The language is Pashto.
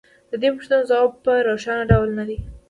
د دې پوښتنو ځواب په روښانه ډول نه دی